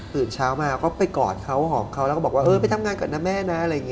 ตื่นเช้ามาก็ไปกอดเขาหอบเขาแล้วก็บอกว่าเออไปทำงานกับนะแม่นะ